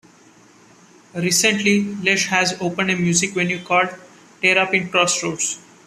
Recently, Lesh has opened a music venue called Terrapin Crossroads.